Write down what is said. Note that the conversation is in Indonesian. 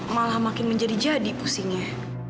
malah makin menjadi jadi pusingnya